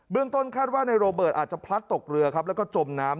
ต้นคาดว่าในโรเบิร์ตอาจจะพลัดตกเรือครับแล้วก็จมน้ำ